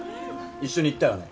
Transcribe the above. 一緒に行ったよね。